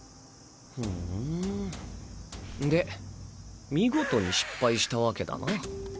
ほで見事に失敗したわけだな。かぺっ！